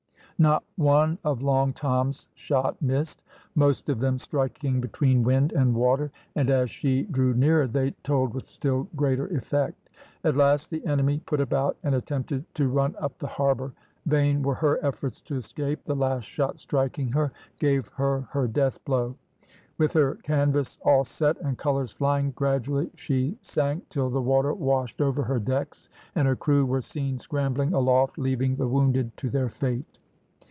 Not one of Long Tom's shot missed, most of them striking between wind and water; and as she drew nearer they told with still greater effect. At last the enemy put about and attempted to run up the harbour. Vain were her efforts to escape; the last shot striking her gave her her death blow. With her canvas all set and colours flying, gradually she sank till the water washed over her decks, and her crew were seen scrambling aloft, leaving the wounded to their fate.